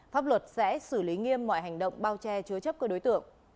pháp luật sẽ xử lý nghiêm mọi hành động bao che chứa chấp các đối tượng